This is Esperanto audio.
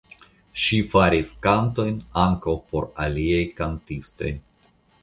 Ŝi faris kantojn ankaŭ por aliaj kantistoj.